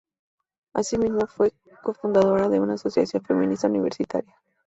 Así mismo, fue cofundadora de una asociación feminista universitaria.